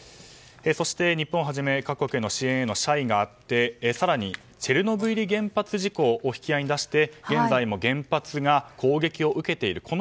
そして、日本をはじめ各国への支援への謝意があって更にチェルノブイリ原発事故を引き合いに出して現在も原発が攻撃を受けている。